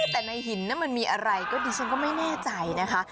แต่ในหินนั้นมันมีอะไรก็ดิฉันก็ไม่แน่ใจนะคะ